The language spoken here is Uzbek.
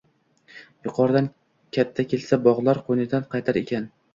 Yuqoridan katta kelsa — bog‘lar qo‘ynidan qaytar edi.